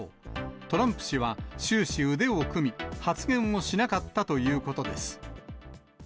トランプ氏は、終始腕を組み、発言をしなかったということです。